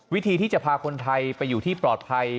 วิธีที่จะพาคนไทยไปอยู่ที่ปลอดภัย